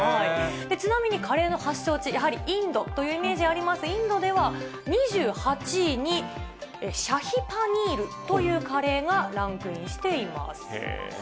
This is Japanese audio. ちなみにカレーの発祥地、やはりインドというイメージあります、インドでは、２８位にシャヒパニールというカレーがランクインしています。